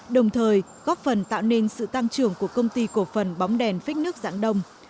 đồng thời góp phần tạo nên sự tăng trưởng của công ty cổ phần bóng đèn phích nước dạng đông